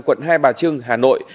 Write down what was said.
quận hai bà trưng hà nội